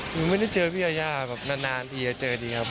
ดูไม่ได้เจอพี่ยาย่ามานานพี่จะเจอดีครับครับ